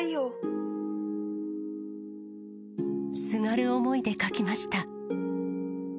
すがる思いで書きました。